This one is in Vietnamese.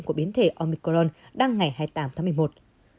của biến thể omicron đang ngày hai mươi tám tháng một mươi một